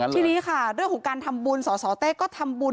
ทีนี้ค่ะเรื่องของการทำบุญสสเต้ก็ทำบุญ